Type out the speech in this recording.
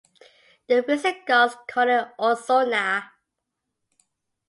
The Visigoths called it Ausona.